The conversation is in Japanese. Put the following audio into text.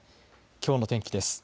きょうの天気です。